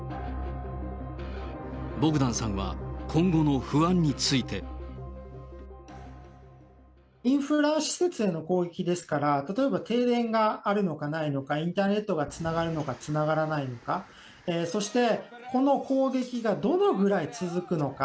ボグダンさんは、今後の不安について。インフラ施設への攻撃ですから、例えば停電があるのかないのか、インターネットがつながるのかつながらないのか、そしてその攻撃がどのぐらい続くのか。